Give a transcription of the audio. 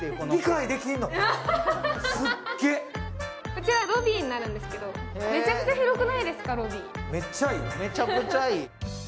こちらはロビーなんですけど、めちゃくちゃ広くないですか、ロビーめっちゃいい、めちゃくちゃいい。